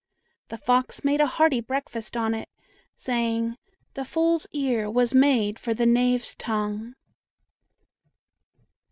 The fox made a hearty breakfast on it, saying, "The fool's ear was made for the knave's tongue."